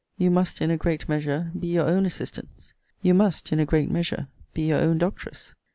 You must, in a great measure, be your own assistance. You must, in a great measure, be your own doctress.